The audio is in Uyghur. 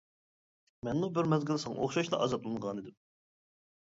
-مەنمۇ بىر مەزگىل ساڭا ئوخشاشلا ئازابلانغانىدىم.